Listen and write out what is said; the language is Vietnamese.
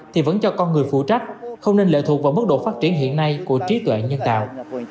thì vẫn cho con người phụ trách không nên lệ thuộc vào mức độ phát triển hiện nay của trí tuệ nhân tạo